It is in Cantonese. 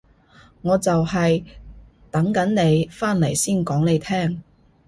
我就係等緊你返嚟先講你聽